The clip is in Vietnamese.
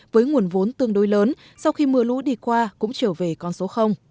với nguồn vốn tương đối lớn sau khi mưa lũ đi qua cũng trở về con số